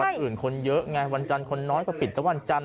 วันอาทิตย์อื่นคนเยอะไงวันจันทร์คนน้อยก็ปิดแต่วันจันทร์